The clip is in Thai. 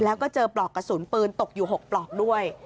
แล้วก็เจอปลอกกระสุนปืนตกอยู่๖ปลอกด้วย